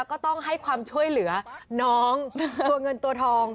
ก็ต้องให้ความช่วยเหลือน้องตัวเงินตัวทอง